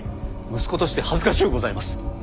息子として恥ずかしゅうございます。